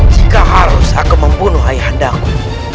jika harus aku membunuh ayahandaku